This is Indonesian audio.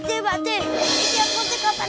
terbukti semuanya jadi keempat